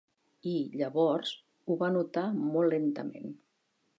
I, llavors, ho va notar molt lentament.